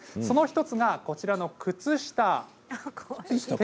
その１つが、こちらの靴下です。